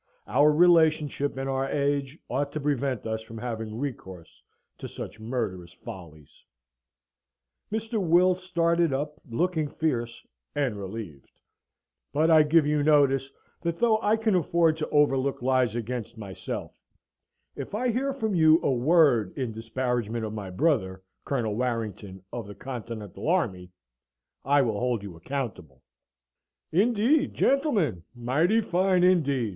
Our relationship and our age ought to prevent us from having recourse to such murderous follies" (Mr. Will started up, looking fierce and relieved), "but I give you notice, that though I can afford to overlook lies against myself, if I hear from you a word in disparagement of my brother, Colonel Warrington, of the Continental Army, I will hold you accountable." "Indeed, gentlemen! Mighty fine, indeed!